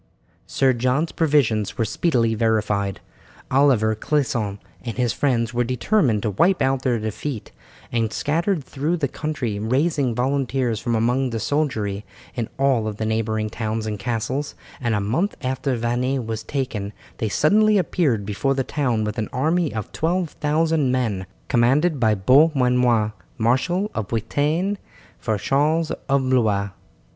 Sir John's previsions were speedily verified. Oliver Clisson and his friends were determined to wipe out their defeat, and scattered through the country raising volunteers from among the soldiery in all the neighbouring towns and castles, and a month after Vannes was taken they suddenly appeared before the town with an army of 12,000 men, commanded by Beaumanoir, marshal of Bretagne for Charles of Blois.